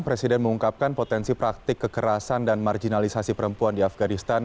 presiden mengungkapkan potensi praktik kekerasan dan marginalisasi perempuan di afganistan